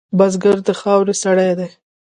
بزګر د خاورې سړی دی